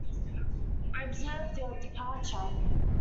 I observed your departure.